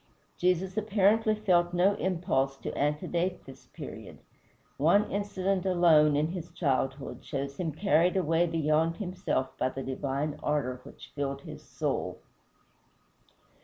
Jesus apparently felt no impulse to antedate this period; one incident alone, in his childhood, shows him carried away beyond himself by the divine ardor which filled his soul.